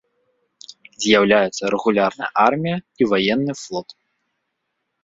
З'яўляюцца рэгулярная армія і ваенны флот.